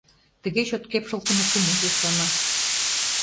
Тыге чот кепшылтыме кумыл йӧслана.